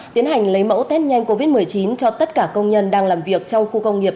tiến hành lấy mẫu test nhanh covid một mươi chín cho tất cả công nhân đang làm việc trong khu công nghiệp